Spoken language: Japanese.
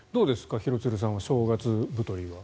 廣津留さんは正月太りは。